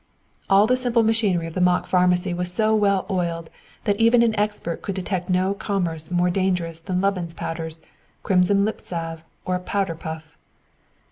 All the simple machinery of the mock pharmacy was so well oiled that even an expert could detect no commerce more dangerous than Lubin's Powders, crimson lip salve, or a powder puff.